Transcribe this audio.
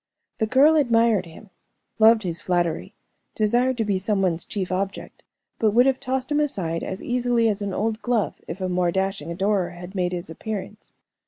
The girl admired him, loved his flattery, desired to be some one's chief object, but would have tossed him aside as easily as an old glove if a more dashing adorer had made his appearance.